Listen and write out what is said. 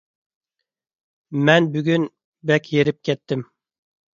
مەن بۈگۈن بەك ھېرىپ كەتتىم.